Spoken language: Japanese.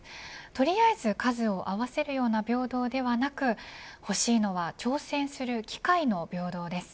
取りあえず数を合わせるような平等ではなく欲しいのは挑戦する機会の平等です。